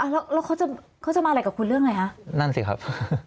แล้วเขาจะเขาจะมาอะไรกับคุณเรื่องอะไรคะนั่นสิครับ